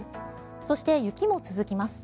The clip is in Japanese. そして雪も続きます。